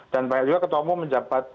dan banyak juga ketua umum menjabat